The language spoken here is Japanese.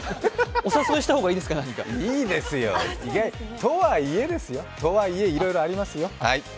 お誘いした方がいいですか？とはいえですよ、とはいえ、いろいろありますよ。